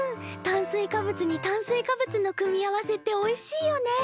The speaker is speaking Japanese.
炭水化物に炭水化物の組み合わせっておいしいよね。